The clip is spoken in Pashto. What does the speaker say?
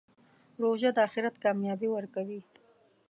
روژه د آخرت کامیابي ورکوي.